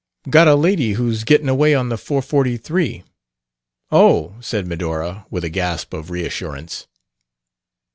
"Got a lady who's gettin' away on the four forty three." "Oh!" said Medora, with a gasp of reassurance.